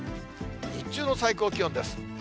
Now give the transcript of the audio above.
日中の最高気温です。